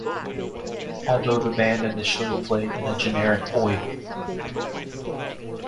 Although the band initially played in a generic Oi!